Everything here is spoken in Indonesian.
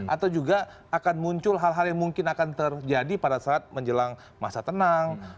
atau juga akan muncul hal hal yang mungkin akan terjadi pada saat menjelang masa tenang